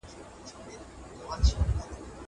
زه مخکي مينه څرګنده کړې وه.